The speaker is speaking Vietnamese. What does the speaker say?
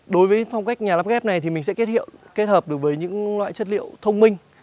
đối với phong cách nhà lắp ghép này thì mình sẽ kết hiệu kết hợp được với những loại chất liệu thông minh